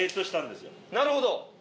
なるほど。